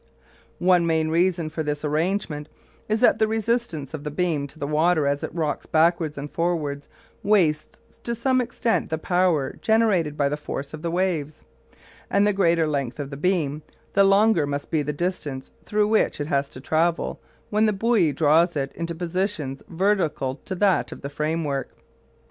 One main reason for this arrangement is that the resistance of the beam to the water as it rocks backwards and forwards wastes to some extent the power generated by the force of the waves; and the greater the length of the beam, the longer must be the distance through which it has to travel when the buoys draw it into positions vertical to that of the framework.